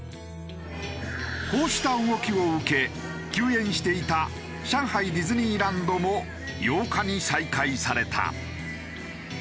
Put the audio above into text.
こうした動きを受け休園していた上海ディズニーランドも８日に再開された。